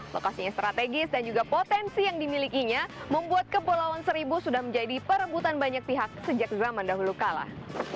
lokasinya strategis dan juga potensi yang dimilikinya membuat kepulauan seribu sudah menjadi perebutan banyak pihak sejak zaman dahulu kalah